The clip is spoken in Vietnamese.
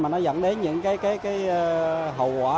mà nó dẫn đến những hậu quả